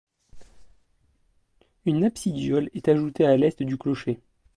Une absidiole est ajoutée à l'est du clocher.